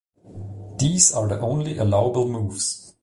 These are the only allowable moves.